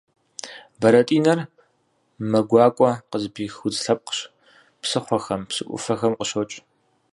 Бэрэтӏинэр мэ гуакӏуэ къызыпих удз лъэпкъщ, псыхъуэхэм, псы ӏуфэхэм къыщокӏ.